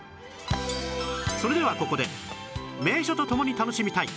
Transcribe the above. それではここで名所と共に楽しみたい